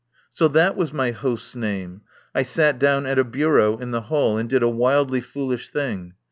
So that was my host's name. I sat down at a bureau in the hall and did a wildly foolish thing.